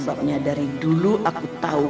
karena dari dulu aku tahu